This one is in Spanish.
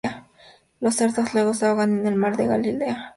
Los cerdos luego se ahogan en el mar de Galilea.